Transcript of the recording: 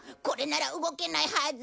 これなら動けないはず。